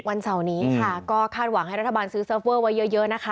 วันเสาร์นี้ค่ะก็คาดหวังให้รัฐบาลซื้อเซิร์ฟเวอร์ไว้เยอะนะคะ